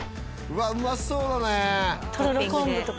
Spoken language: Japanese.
うわっ旨そうだね